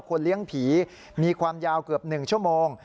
เลี้ยงผีมีความยาวเกือบ๑ชั่วโมง